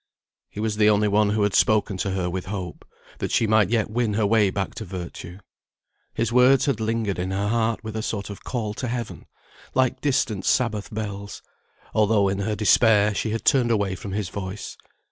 He was the only one who had spoken to her with hope, that she might yet win her way back to virtue. His words had lingered in her heart with a sort of call to Heaven, like distant Sabbath bells, although in her despair she had turned away from his voice.